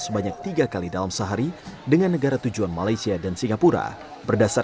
sebanyak tiga kali dalam sehari dengan negara tujuan malaysia dan singapura